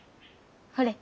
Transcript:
ほれ。